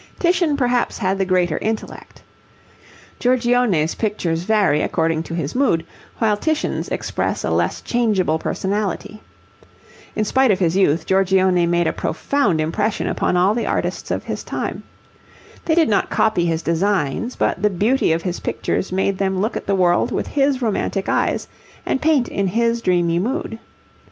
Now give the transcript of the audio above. Titian perhaps had the greater intellect. Giorgione's pictures vary according to his mood, while Titian's express a less changeable personality. In spite of his youth, Giorgione made a profound impression upon all the artists of his time. They did not copy his designs, but the beauty of his pictures made them look at the world with his romantic eyes and paint in his dreamy mood.